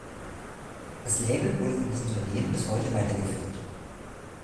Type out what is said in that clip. Das Label wurde von diesen Unternehmen bis heute weitergeführt.